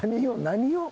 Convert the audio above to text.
何を？